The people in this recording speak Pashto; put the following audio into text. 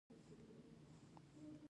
د نجونو تعلیم د ظلم پر وړاندې دریدل دي.